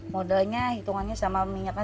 modalnya hitungannya sama minyaknya